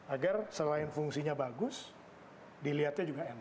agar selain fungsinya bagus dilihatnya juga enak